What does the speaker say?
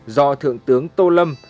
do thượng tướng tô lâm